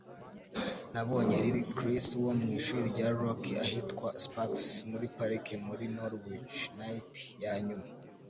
Nabonye Lil 'Chris wo mwishuri rya Rock ahitwa Sparks muri Parike muri Norwich nite yanyuma.